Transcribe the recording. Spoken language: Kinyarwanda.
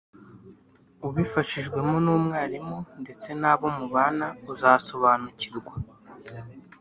Ubifashijwemo n’umwarimu ndetse n’abo mubana uzasobanukirwa